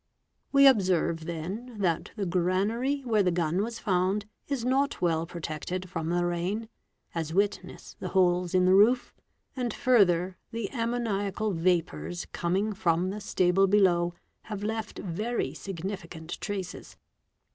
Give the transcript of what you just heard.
_ "We observe then that the granary where the gun was found is not 3 1 ell protected from the rain, as witness the holes in the roof, and further _ the ammoniacal vapours coming from the stable below have left very ignificant traces.